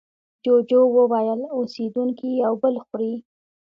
جوجو وویل اوسېدونکي یو بل خوري.